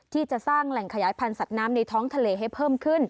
ที่จะสร้างแหล่งขยายพันธุ์สัตว์น้ำในท้องทะเลให้เพิ่มขึ้น